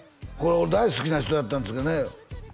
俺大好きな人やったんですがね